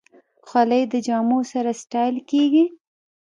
خولۍ د جامو سره ستایل کېږي.